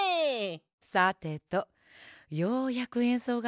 さてとようやくえんそうができるわ。